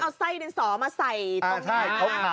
เอาไซ่ดินสอมาใส่